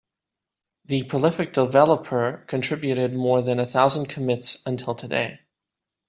The prolific developer contributed more than a thousand commits until today.